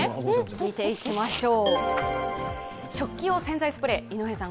見ていきましょう。